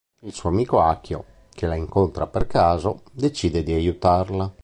Il suo amico Akio, che la incontra per caso, decide di aiutarla.